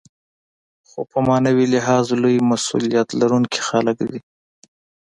خو په معنوي لحاظ لوی مسوولیت لرونکي خلک دي.